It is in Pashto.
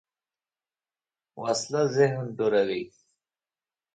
وسله ذهن بوږنوې